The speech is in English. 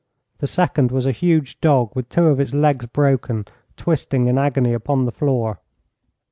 The second was a huge dog, with two of its legs broken, twisting in agony upon the floor.